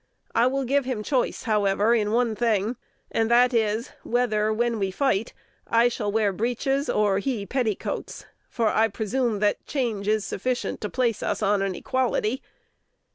I will give him choice, however, in one thing, and that is, whether, when we fight, I shall wear breeches or he petticoats; for I presume that change is sufficient to place us on an equality.